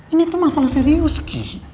ini tuh masalah serius